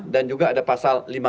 dan juga ada pasal lima puluh enam